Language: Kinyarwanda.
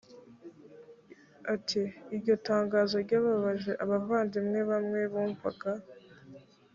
ati iryo tangazo ryababaje abavandimwe bamwe bumvaga